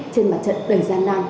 trên mặt trận đầy gian nan